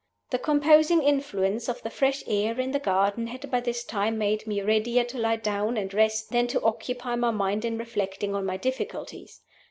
The composing influence of the fresh air in the garden had by this time made me readier to lie down and rest than to occupy my mind in reflecting on my difficulties.